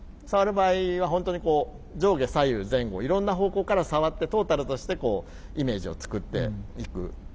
さわる場合は本当にこう上下左右前後いろんな方向からさわってトータルとしてこうイメージを作っていく。